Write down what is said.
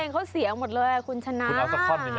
เขาเสียหมดเลยคุณชนะคุณเอาสักข้อนนิดหน่อย